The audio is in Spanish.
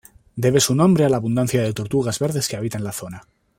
Debe su nombre a la abundancia de tortugas verdes que habitan la zona.